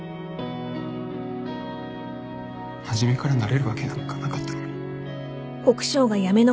初めからなれるわけなんかなかったのに。